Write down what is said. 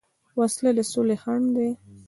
وسله د سولې خنډ ده